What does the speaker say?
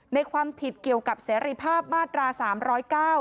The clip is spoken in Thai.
ความผิดเกี่ยวกับเสรีภาพมาตราสามร้อยเก้า